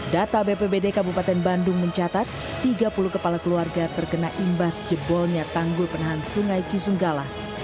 data bpbd kabupaten bandung mencatat tiga puluh kepala keluarga terkena imbas jebolnya tanggul penahan sungai cisunggala